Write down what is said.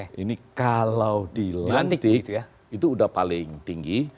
jadi kalau dilantik itu udah paling tinggi